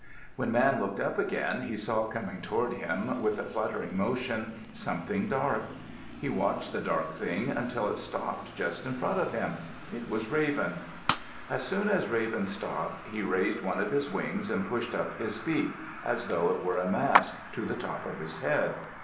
When Man looked up again he saw coming toward him, with a fluttering motion, something dark. He watched the dark thing until it stopped just in front of him. It was Raven. As soon as Raven stopped, he raised one of his wings and pushed up his beak, as though it were a mask, to the top of his head.